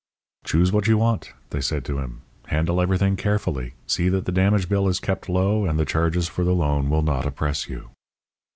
"Choose what you want," they said to him. "Handle everything carefully. See that the damage bill is kept low, and the charges for the loan will not oppress you."